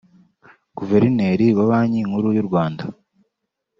Guverineri wa Banki Nkuru y’u Rwanda